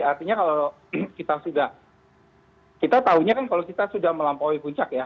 artinya kalau kita sudah kita tahunya kan kalau kita sudah melampaui puncak ya